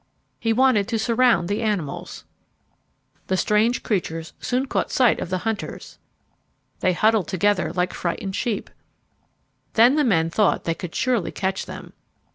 He wanted to surround the animals. The strange creatures soon caught sight of the hunters. They huddled together like frightened sheep. Then the men thought they could surely catch them.